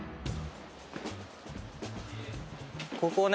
ここね。